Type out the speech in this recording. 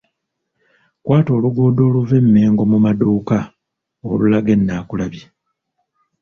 Kwata oluguudo oluva e Mmengo mu maduuka olulaga e Naakulabye.